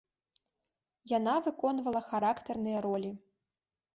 Яна выконвала характарныя ролі.